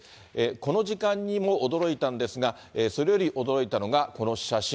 この時間にも驚いたんですが、それより驚いたのがこの写真。